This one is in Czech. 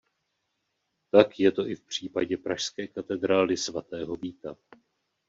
Tak je to i v případě pražské katedrály svatého Víta.